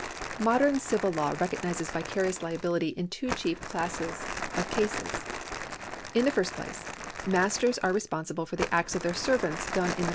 Modern civil law recognises vicarious liability in two chief classes of cases. In the first place, masters are responsible for the acts of their servants done in the course of their 1 CMsholm V.